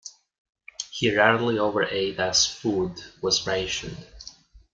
He rarely over ate as food was rationed.